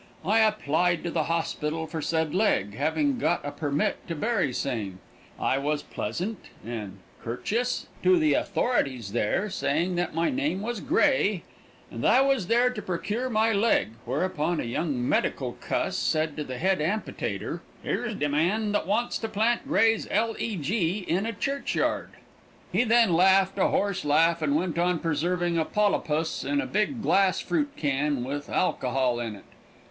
I applied to the hosspital for said leg, having got a permit to bury same. I was pleasant and corechus to the authoritis there, saying that my name was Gray and I was there to procure my leg, whereupon a young meddicle cuss said to the head ampitater: "Here's de man that wants to plant Gray's l e g in a churchyard." He then laughed a hoarse laugh and went on preserving a polapus in a big glass fruit can with alkohall in it.